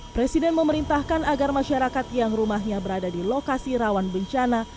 presiden memerintahkan agar masyarakat yang rumahnya berada di lokasi rawan bencana